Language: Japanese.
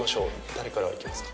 誰からいきますか？